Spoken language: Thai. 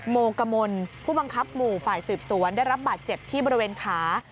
โมกมลผู้บังคับหมู่ฝ่ายสืบสวนได้รับบาดเจ็บที่บริเวณขา